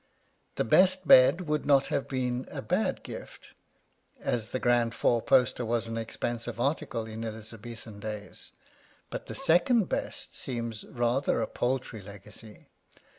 The best bed would not have been a bad gift, as the E 49 Curiosities of Olden Times grand four poster was an expensive article in Elizabethan days ; but the second best seems rather a paltry legacy.